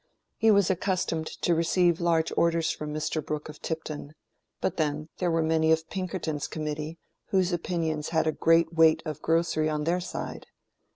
He was accustomed to receive large orders from Mr. Brooke of Tipton; but then, there were many of Pinkerton's committee whose opinions had a great weight of grocery on their side.